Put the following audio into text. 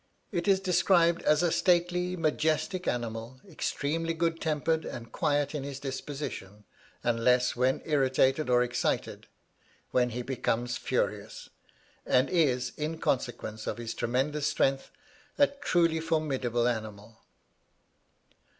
It is described as a stately, majestic animal, extremely good tempered and quiet in his disposition, unless when irritated or excited, when he becomes furious; and is, in consequence of his tremendous strength, a truly formidable animal."